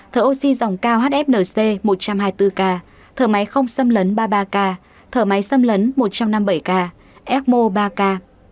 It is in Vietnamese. thở oxy dòng cao hfnc một trăm hai mươi bốn k thở máy không xâm lấn ba mươi ba ca thở máy xâm lấn một trăm năm mươi bảy k ecmo ba k